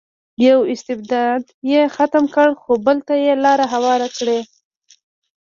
یو استبداد یې ختم کړی خو بل ته یې لار هواره کړې.